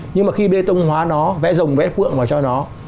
nhưng mà khi bê tông hóa nó vẽ rồng vẽ phượng vào cho nó